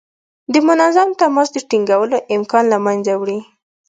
د منظم تماس د ټینګولو امکان له منځه وړي.